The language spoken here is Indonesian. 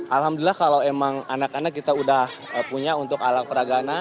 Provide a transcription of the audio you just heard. alhamdulillah kalau emang anak anak kita udah punya untuk alat peragana